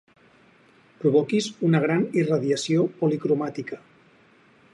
Provoquis una gran irradiació policromàtica.